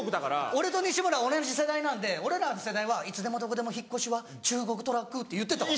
俺と西村同じ世代なんで俺らの世代はいつでもどこでも引っ越しは中国トラックって言ってたわ。